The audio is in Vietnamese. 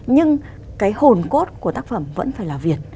nhưng cái hồn cốt của tác phẩm vẫn phải là việt